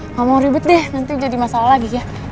ngomong ribut deh nanti jadi masalah lagi ya